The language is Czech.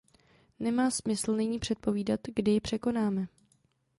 Nemá smysl nyní předpovídat, kdy ji překonáme.